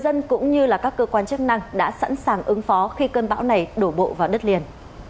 dân cũng như là các cơ quan chức năng đã sẵn sàng ứng phó khi cơn bão này đổ bộ vào đất liền